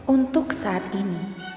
untuk saat ini